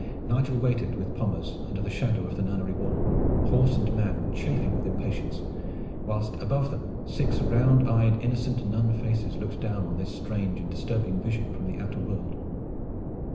Nigel waited with Pommers under the shadow of the nunnery wall, horse and man chafing with impatience, whilst above them six round eyed innocent nun faces looked down on this strange and disturbing vision from the outer world.